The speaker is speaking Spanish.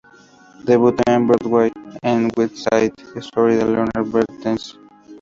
Debutó en Broadway en West Side Story de Leonard Bernstein.